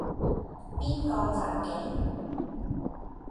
邊個襲警?